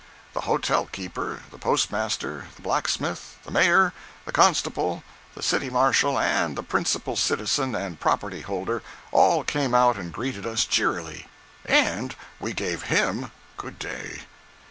The hotel keeper, the postmaster, the blacksmith, the mayor, the constable, the city marshal and the principal citizen and property holder, all came out and greeted us cheerily, and we gave him good day.